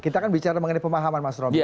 kita akan bicara mengenai pemahaman mas romy